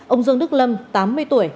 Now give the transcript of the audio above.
ông dương đức lâm tám mươi tuổi